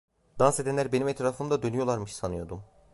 Dans edenler benim etrafımda dönüyorlarmış sanıyordum.